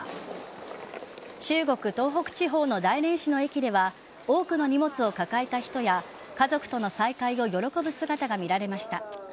中国・東北地方の大連市の駅では多くの荷物を抱えた人や家族との再会を喜ぶ姿が見られました。